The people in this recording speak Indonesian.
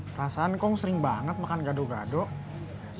perasaan kong sering banget makan gaduh gaduh